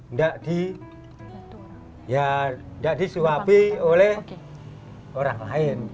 nggak di suapi oleh orang lain